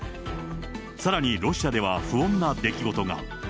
さらに、ロシアでは不穏な出来事が。